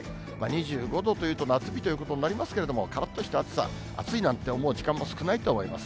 ２５度というと夏日ということになりますけれども、からっとした暑さ、暑いなんて思う時間も少ないと思います。